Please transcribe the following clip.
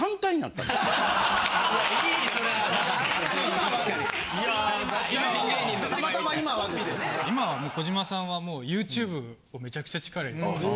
たまたま今はです・今はもう児嶋さんはもうＹｏｕＴｕｂｅをめちゃくちゃ力入れてまして。